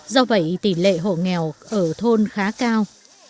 do vậy tỷ lệ hộ nghèo ở thôn khá cao